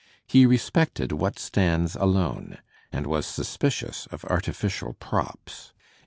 He respected what stands alone, and was suspicious of artificial props.